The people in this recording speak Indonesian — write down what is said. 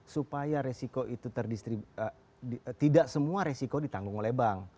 supaya resiko itu tidak semua resiko ditanggung oleh bank